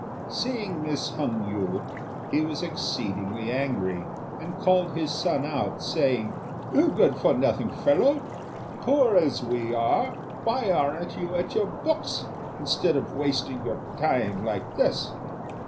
Seeing Miss Hung yü, he was exceedingly angry, and called his son out, saying, "You good for nothing fellow! poor as we are, why aren't you at your books, instead of wasting your time like this?